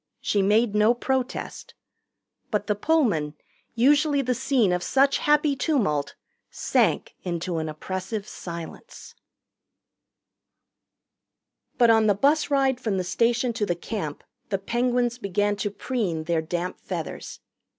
She made no protest. But the Pullman, usually the scene of such happy tumult, sank into an oppressive silence. But on the bus ride from the station to the Camp the Penguins began to preen their damp feathers.